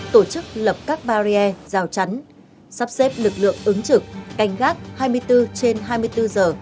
tổ chức lập các bàry rào chắn sắp xếp lực lượng ứng trực canh gác hai mươi bốn trên hai mươi bốn giờ